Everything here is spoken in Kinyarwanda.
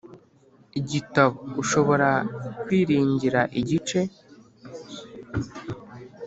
Igitabo ushobora kwiringira Igice